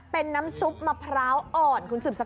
เป็นน้ำซุปมะพร้าวอ่อน